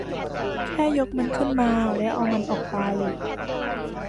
แค่ยกมันขึ้นมาแล้วเอามันออกไป